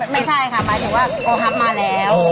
ไม่ใช่ค่ะหมายถึงว่าโอฮัพมาแล้ว